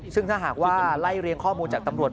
ซึ่งถ้าหากว่าไล่เรียงข้อมูลจากตำรวจ